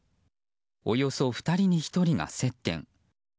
およそ２人に１人が接点。